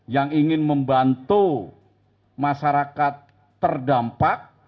yang ingin membantu masyarakat terdampak